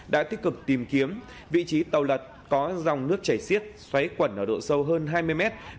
đã tích cực tìm kiếm vị trí tàu lật có dòng nước chảy xiết xoáy quẩn ở độ sâu hơn hai mươi mét